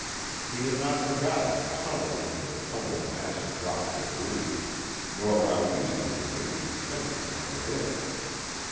He had not forgotten the tunnel into the tumbled mass of rock debris, nor how easily it could be defended from within.